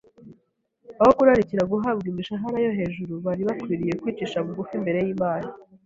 aho kurarikira guhabwa imishahara yo hejuru bari bakwiriye kwicisha bugufi imbere y’Imana